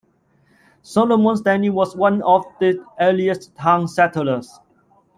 Salomon Stanley was one of the earliest town settlers.